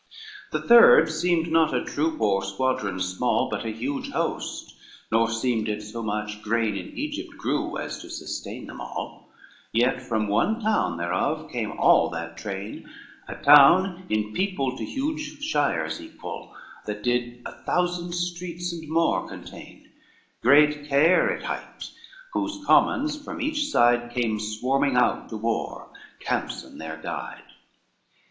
XVII The third seemed not a troop or squadron small, But an huge host; nor seemed it so much grain In Egypt grew as to sustain them all; Yet from one town thereof came all that train, A town in people to huge shires equal, That did a thousand streets and more contain, Great Caire it hight, whose commons from each side Came swarming out to war, Campson their guide.